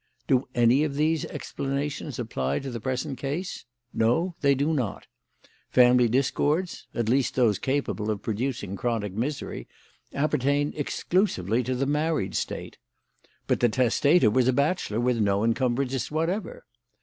"Do any of these explanations apply to the present case? No, they do not. Family discords at least those capable of producing chronic misery appertain exclusively to the married state. But the testator was a bachelor with no encumbrances whatever.